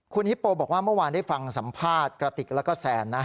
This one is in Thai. คุณฮิปโปบอกว่าเมื่อวานได้ฟังสัมภาษณ์กระติกแล้วก็แซนนะ